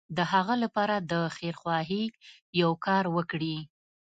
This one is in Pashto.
د هغه لپاره د خيرخواهي يو کار وکړي.